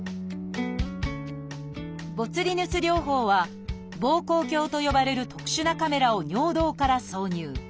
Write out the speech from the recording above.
「ボツリヌス療法」は「ぼうこう鏡」と呼ばれる特殊なカメラを尿道から挿入。